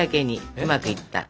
うまくいった。